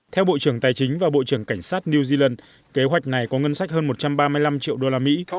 theo bộ trưởng tài chính và bộ trưởng cảnh sát new zealand kế hoạch này có ngân sách hơn một trăm ba mươi năm triệu đô la mỹ